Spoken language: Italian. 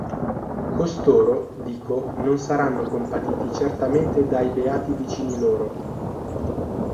Costoro, dico, non saranno compatiti certamente dai beati vicini loro.